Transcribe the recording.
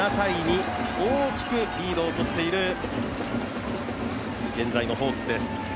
大きくリードをとっている現在のホークスです。